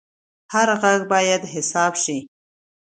هر غږ باید حساب شي